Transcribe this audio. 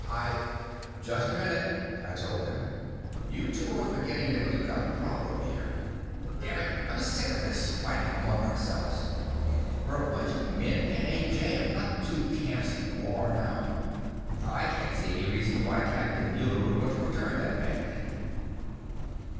I " "Just a minute," I told them. "You two are forgetting that we've got a problem here. Damn it, I'm sick of this fighting among ourselves. We're a bunch of men in a jam, not two camps at war now. I can't see any reason why Captain Muller would want to return that badly."